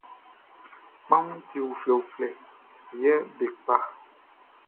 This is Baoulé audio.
Kpanwunʼn ti uflɛuflɛ, yɛ be kpa.